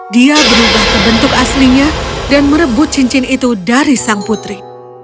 dia berubah ke bentuk aslinya dan merebut cincin itu dari sang putri